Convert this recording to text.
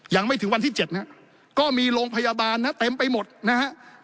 ยังไม่ถึงวันที่๗นะฮะก็มีโรงพยาบาลนะเต็มไปหมดนะฮะ